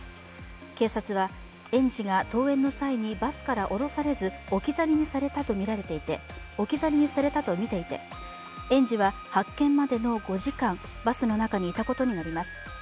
警察は園児が登園の際にバスから降ろされず置き去りにされたとみていて園児は発見までの５時間、バスの中にいたことになります。